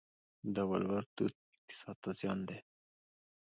د ولور دود اقتصاد ته زیان دی؟